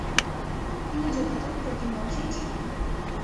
তিনি যোগাযোগ প্রতিমন্ত্রী ছিলেন।